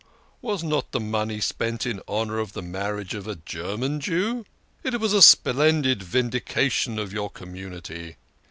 Was not the money spent in honour of the marriage of a German Jew ? It was a splendid vindication of your community."